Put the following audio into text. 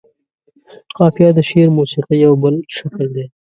قافيه د شعر موسيقۍ يو بل شکل دى.